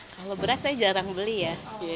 kalau beras saya jarang beli ya